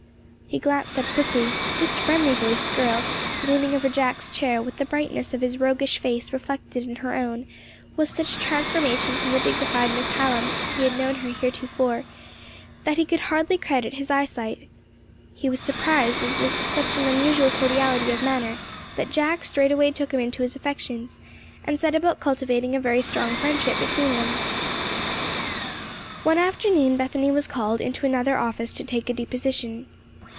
He glanced up quickly. This friendly voiced girl, leaning over Jack's chair, with the brightness of his roguish face reflected in her own, was such a transformation from the dignified Miss Hallam he had known heretofore, that he could hardly credit his eyesight. He was surprised into such an unusual cordiality of manner, that Jack straightway took him into his affections, and set about cultivating a very strong friendship between them. One afternoon Bethany was called into another office to take a deposition.